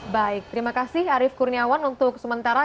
baik terima kasih arief kurniawan untuk sementara